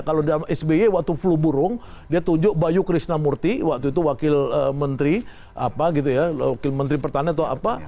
kalau dia sby waktu flu burung dia tunjuk bayu krishnamurti waktu itu wakil menteri wakil menteri pertanian atau apa